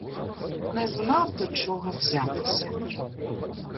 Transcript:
Не знав, до чого взятися.